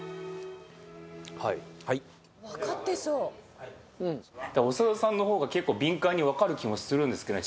はいはい長田さんの方が結構敏感にわかる気もするんですけどね